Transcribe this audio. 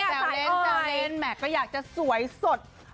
แกล้วเลนแกล้วเลนแม็คก็อยากจะสวยสด